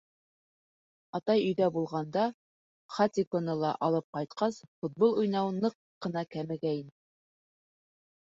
Атай өйҙә булғанда, Хатиконы ла алып ҡайтҡас, футбол уйнау ныҡ ҡына кәмегәйне.